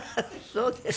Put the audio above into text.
そうですか。